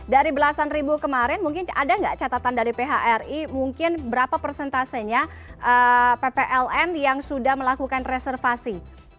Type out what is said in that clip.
dari belasan ribu kemarin mungkin ada nggak catatan dari phri mungkin berapa persentasenya pplm yang sudah melakukan reservasi